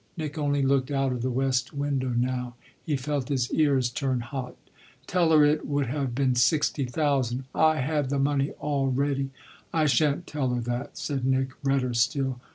Nick only looked out of the west window now he felt his ears turn hot. "Tell her it would have been sixty thousand. I had the money all ready." "I shan't tell her that," said Nick, redder still.